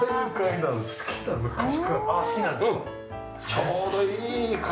ちょうどいい形。